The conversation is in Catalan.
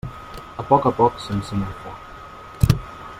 A poc a poc s'encén el foc.